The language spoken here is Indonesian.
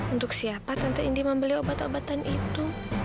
untuk siapa tante indi membeli obat obatan itu